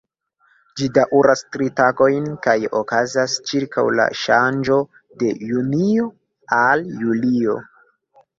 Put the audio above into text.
Ĝi daŭras tri tagojn kaj okazas ĉirkaŭ la ŝanĝo de junio al julio.